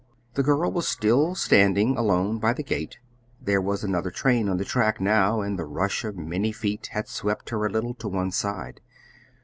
The girl was still standing alone by the gate. There was another train on the track now, and the rush of many feet had swept her a little to one side.